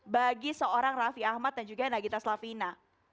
bagi seorang raffi ahmad dan juga nagita slavina